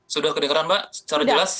sudah kedengaran pak secara jelas